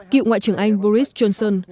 cựu ngoại trưởng anh boris johnson